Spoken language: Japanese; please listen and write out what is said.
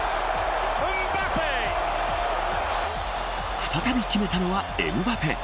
再び決めたのはエムバペ。